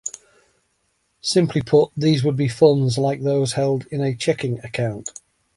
Simply put, these would be funds like those held in a checking account.